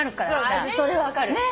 それは分かる。